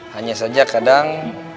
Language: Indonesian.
hanya saja kadang